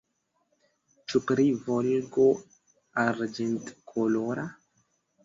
Ĉu pri Volgo arĝentkolora?